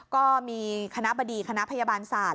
ก็มีคณะบดีคณะพยาบาลศาสต